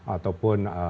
ataupun asosiasi dari apa